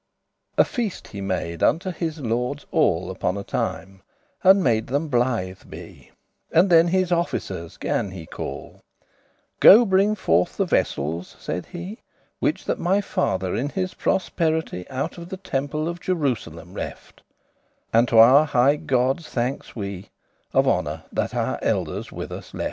A feast he made unto his lordes all Upon a time, and made them blithe be, And then his officeres gan he call; "Go, bringe forth the vessels," saide he, "Which that my father in his prosperity Out of the temple of Jerusalem reft, And to our highe goddes thanks we Of honour, that our elders* with us left."